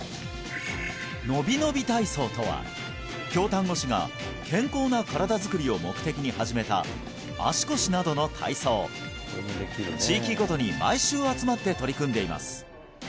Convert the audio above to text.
のびのび体操とは京丹後市が健康な身体づくりを目的に始めた足腰などの体操地域ごとに毎週集まって取り組んでいます